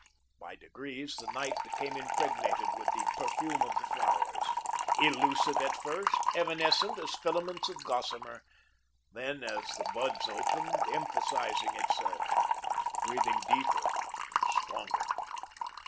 By degrees, the night became impregnated with the perfume of the flowers. Illusive at first, evanescent as filaments of gossamer; then as the buds opened, emphasising itself, breathing deeper, stronger.